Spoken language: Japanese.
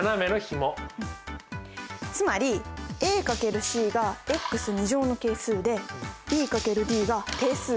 つまり×ｃがの係数でｂ×ｄが定数項。